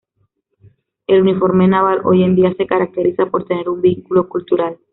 El uniforme naval, hoy en día se caracteriza por tener un vínculo cultural.